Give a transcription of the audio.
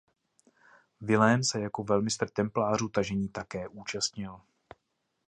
Vilém se jako velmistr templářů tažení také účastnil.